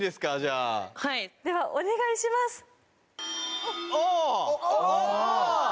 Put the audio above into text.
はいではお願いしますああ